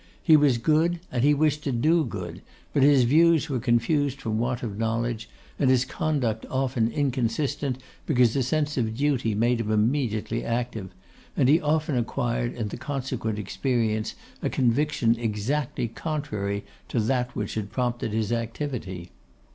He was good, and he wished to do good; but his views were confused from want of knowledge, and his conduct often inconsistent because a sense of duty made him immediately active; and he often acquired in the consequent experience a conviction exactly contrary to that which had prompted his activity.